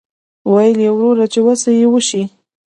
ویل یې وروره چې وسه یې وشي.